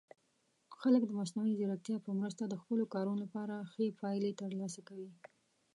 خلک د مصنوعي ځیرکتیا په مرسته د خپلو کارونو لپاره ښه پایلې ترلاسه کوي.